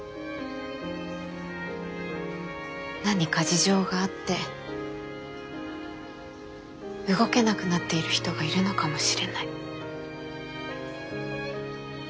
何か事情があって動けなくなっている人がいるのかもしれない。